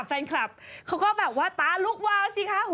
แฟนคลับเขาก็แบบว่าตาลุกวาวสิคะ